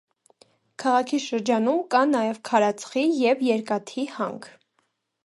Քաղաքի շրջանում կա նաև քարածխի և երկաթի հանք։